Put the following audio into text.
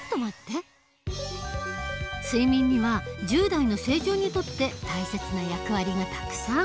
でも睡眠には１０代の成長にとって大切な役割がたくさん。